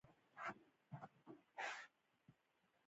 زه د ځان اصلاح ته لومړیتوب ورکوم.